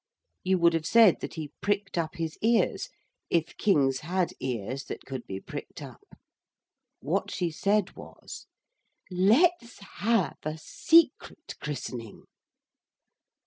You would have said that he pricked up his ears, if kings had ears that could be pricked up. What she said was 'Let's have a secret christening.'